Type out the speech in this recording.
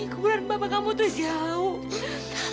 kuburan bapak kamu terus jauh